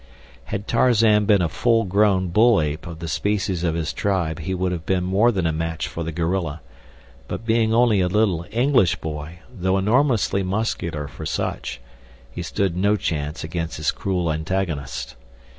Had Tarzan been a full grown bull ape of the species of his tribe he would have been more than a match for the gorilla, but being only a little English boy, though enormously muscular for such, he stood no chance against his cruel antagonist.